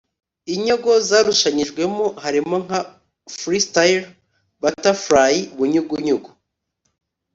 Inyogo zarushanyijwemo harimo nka “Free Style”; “Butterfly (Bunyugunyugu);